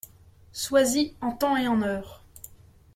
Sois-y en temps et en heure !